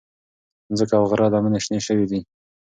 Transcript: مځکه او غره لمنې شنې شوې دي.